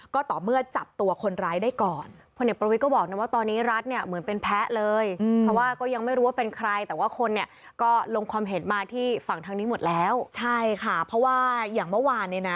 ความเห็นมาที่ฝั่งทางนี้หมดแล้วใช่ค่ะเพราะว่าอย่างเมื่อวานเนี้ยน่ะ